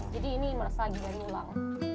jadi ini merasa gila diulang